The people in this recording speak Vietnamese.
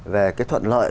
về cái thuận lợi